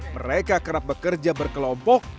mereka kerap bekerja berkelompok